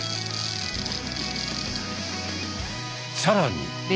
さらに！